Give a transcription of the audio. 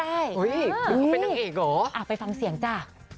ไปฟังเสียงจ้ะ